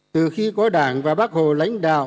từ khi có đảng và bác hồ lãnh đạo